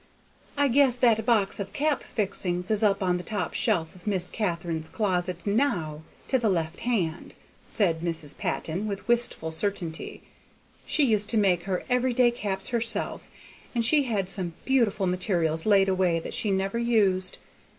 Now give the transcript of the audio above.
I guess that box of cap fixings is up on the top shelf of Miss Katharine's closet now, to the left hand," said Mrs. Patton, with wistful certainty. "She used to make her every day caps herself, and she had some beautiful materials laid away that she never used.